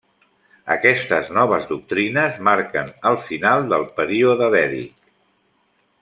Aquestes noves doctrines marquen el final del període vèdic.